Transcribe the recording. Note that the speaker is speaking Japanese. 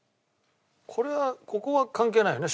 これはここは関係ないよね？